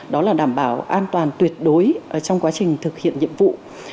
đó là đảm bảo an toàn tuyệt đối trong quá trình thực hiện nhiệm vụ